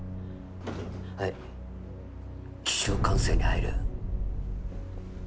気象管制に入る？